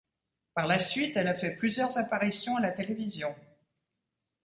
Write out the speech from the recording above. Par la suite, elle a fait plusieurs apparitions à la télévision.